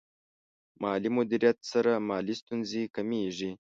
مالي مدیریت سره مالي ستونزې کمېږي.